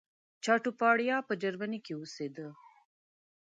چاټوپاړیا په جرمني کې اوسېدی.